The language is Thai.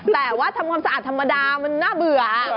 แต่ว่าทำความสะอาดธรรมดามันน่าเบื่อ